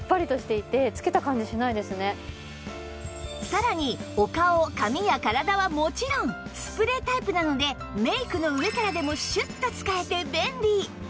さらにお顔髪や体はもちろんスプレータイプなのでメイクの上からでもシュッと使えて便利！